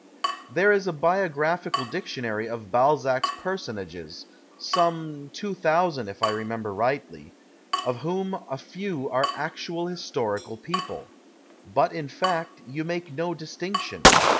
There is a biographical dictionary of Balzac's personages — some 2,000, if I remember rightly — of whom a few are actual historical people. But, in fact, you make no distinction.